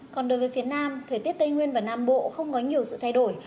còn đối với phía nam thời tiết tây nguyên và nam bộ không có nhiều sự thay đổi